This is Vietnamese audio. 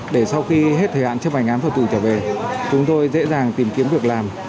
để sau khi hết thời hạn chấp hành án phật tử trở về chúng tôi dễ dàng tìm kiếm việc làm